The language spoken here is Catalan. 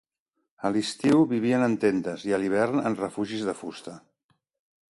A l'estiu vivien en tendes i a l'hivern en refugis de fusta.